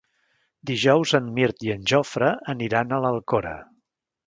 Dijous en Mirt i en Jofre aniran a l'Alcora.